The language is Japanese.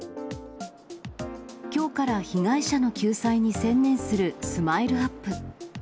きょうから被害者の救済に専念するスマイルアップ。